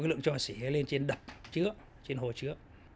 lượng cho xỉ lên trên đập trước trên hồ trước